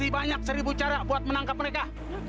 lebih banyak seribu cara buat menangkap mereka